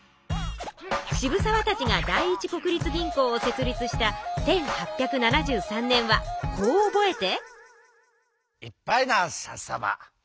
渋沢たちが第一国立銀行を設立した１８７３年はこう覚えて！